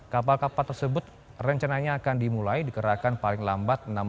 kapal kapal tersebut rencananya akan dimulai dikerakan paling lama